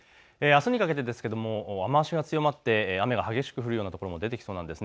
あすにかけて雨足が強まって雨が激しく降るようなところも出てきそうです。